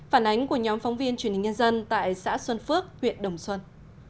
phản ánh của nhóm phóng viên truyền hình nhân dân tại xã xuân phước huyện đồng xuân